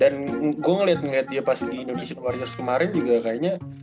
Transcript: dan gue ngeliat ngeliat dia pas di indonesian warriors kemarin juga kayaknya